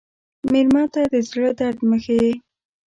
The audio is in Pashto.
مېلمه ته د زړه درد مه ښیې.